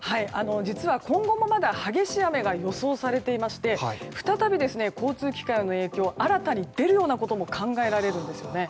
実は今後もまだ激しい雨が予想されていまして再び交通機関への影響が新たに出るようなことも考えられるんですよね。